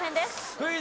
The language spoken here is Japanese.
クイズ。